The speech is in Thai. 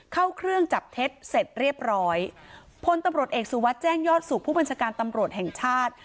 เข้าเครื่องจับเท็จเสร็จเรียบร้อยพลตำรวจเอกสุวัสดิ์แจ้งยอดสุขผู้บัญชาการตำรวจแห่งชาติ